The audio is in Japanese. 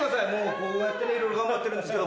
こうやっていろいろ頑張ってるんですけども。